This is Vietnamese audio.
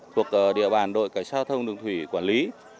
thuộc địa bàn đội cảnh sát giao thông đường thủy quản lý